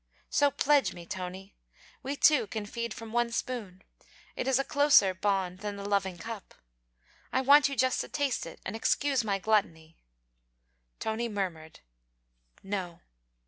So pledge me, Tony. We two can feed from one spoon; it is a closer, bond than the loving cup. I want you just to taste it and excuse my gluttony.' Tony murmured, 'No.'